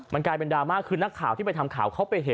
มันกลายเป็นดราม่าคือนักข่าวที่ไปทำข่าวเขาไปเห็น